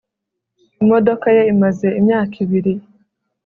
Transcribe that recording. imodoka ye imaze imyaka ibiri